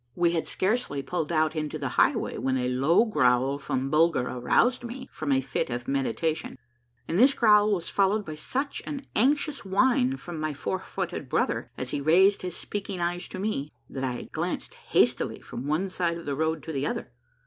We had scarcely pulled out into the highway when a low growl from Bulger aroused me from a fit of meditation; and this growl was followed by such an anxious whine from my four footed brother, as he raised his speaking eyes to me, that I glanced hastily from one side of the road to the other.